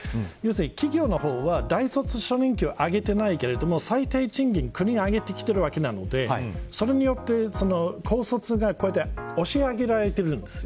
もう１つ問題は企業の場合は大卒初任給は上げていないけど、最低賃金は国が上げているのでそれによって高卒が押し上げられているんです。